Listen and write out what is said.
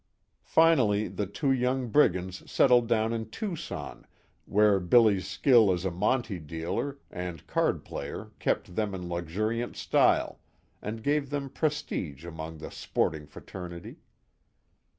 Finally the two young brigands settled down in Tucson, where Billy's skill as a monte dealer, and card player kept them in luxuriant style, and gave them prestige among the sporting fraternity.